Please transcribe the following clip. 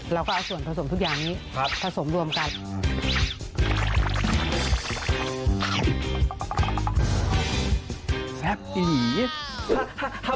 เราก็เอาส่วนผสมทุกอย่างนี้ผสมรวมกัน